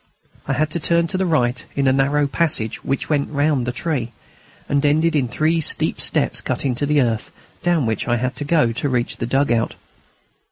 I had to turn to the right in a narrow passage which went round the tree, and ended in three steep steps cut in the earth, down which I had to go to reach the dug out.